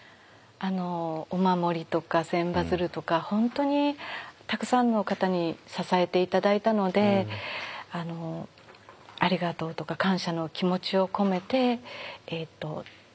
お守りとか千羽鶴とか本当にたくさんの方に支えて頂いたのでありがとうとか感謝の気持ちを込めて作ったんですけども。